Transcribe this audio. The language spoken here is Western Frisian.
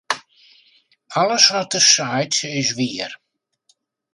Alles wat er seit, is wier.